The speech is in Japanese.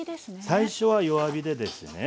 最初は弱火でですね